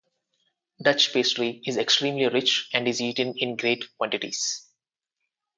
Dutch pastry is extremely rich and is eaten in great quantities.